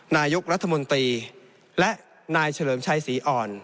นายกรัฐมนตรีและนายเฉลิมชัยศรีอ่อน